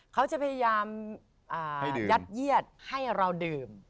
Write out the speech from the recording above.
เขาจะพยายามยัดเยียดให้เราดื่ม